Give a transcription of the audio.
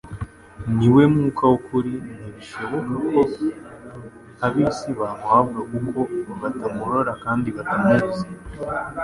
ni we Mwuka w'ukuri. Ntibishoboka ko ab'isi bamuhabwa kuko batamurora kandi batamuzi,